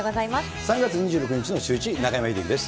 ３月２６日のシューイチ、中山秀征です。